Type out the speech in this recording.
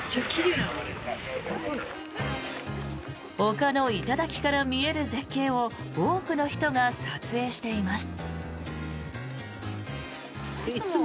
丘の頂から見える絶景を多くの人が撮影しています。